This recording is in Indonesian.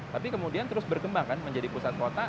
tapi kemudian terus berkembang kan menjadi pusat kota